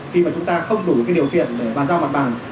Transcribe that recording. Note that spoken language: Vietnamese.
khi mà chúng ta không đủ cái điều kiện để bàn giao mặt bằng